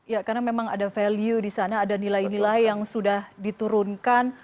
ya karena memang ada value di sana ada nilai nilai yang sudah diturunkan